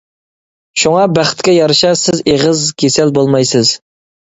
شۇڭا بەختكە يارىشا سىز ئېغىز كېسەل بولمايسىز.